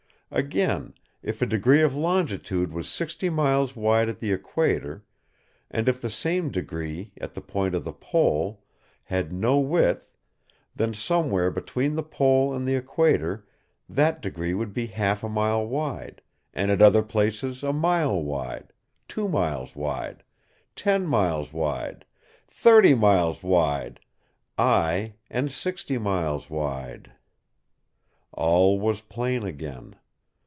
Again: if a degree of longitude was 60 miles wide at the equator, and if the same degree, at the point of the Pole, had no width, then somewhere between the Pole and the equator that degree would be half a mile wide, and at other places a mile wide, two miles wide, ten miles wide, thirty miles wide, ay, and sixty miles wide. All was plain again.